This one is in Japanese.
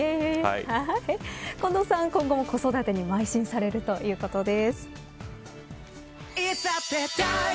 今後も子育てにまい進されるということです。